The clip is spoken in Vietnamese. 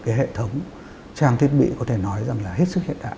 cái hệ thống trang thiết bị có thể nói rằng là hết sức hiện đại